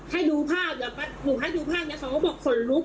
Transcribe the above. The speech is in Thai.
ให้ดูภาพเดี๋ยวหนูให้ดูภาพนี้เขาก็บอกขนลุก